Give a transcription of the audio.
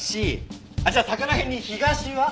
じゃあ魚へんに東は？